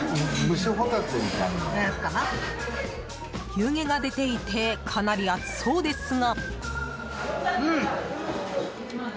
湯気が出ていてかなり熱そうですが。